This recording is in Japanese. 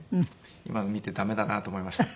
今の見て駄目だなと思いました。